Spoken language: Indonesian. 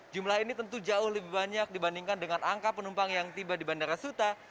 jumlah ini tentu jauh lebih banyak dibandingkan dengan angka penumpang yang tiba di bandara suta